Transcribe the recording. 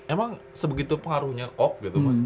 emang sebegitu pengaruhnya kok gitu mas